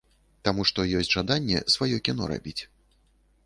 Таму што ёсць жаданне сваё кіно рабіць.